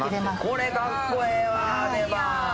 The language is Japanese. これ、かっこええわ、出刃。